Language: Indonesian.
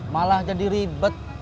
malah jadi ribet